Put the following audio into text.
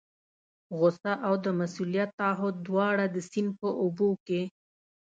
غوسه او د مسؤلیت تعهد دواړه د سیند په اوبو کې.